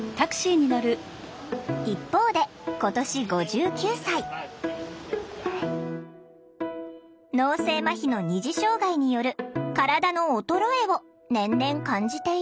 一方で脳性まひの二次障害による「体の衰え」を年々感じている。